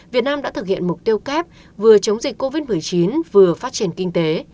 việt nam đã thực hiện mục tiêu kép vừa chống dịch covid một mươi chín vừa phát triển kinh tế